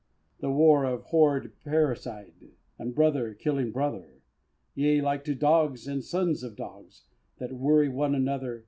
A war of horrid parricide, And brother killing brother; Yea, like to "dogs and sons of dogs" That worry one another.